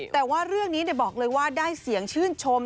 แต่ว่าเรื่องนี้บอกเลยว่าได้เสียงชื่นชม